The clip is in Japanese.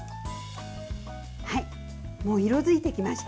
もう色づいてきました。